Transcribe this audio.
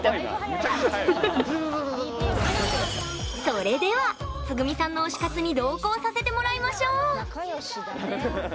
それではつぐみさんの推し活に同行させてもらいましょう。